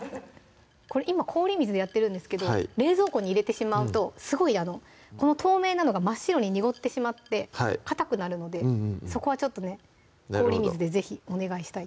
これ今氷水でやってるんですけど冷蔵庫に入れてしまうとすごいこの透明なのが真っ白に濁ってしまってかたくなるのでそこはちょっとねなるほど氷水で是非お願いしたい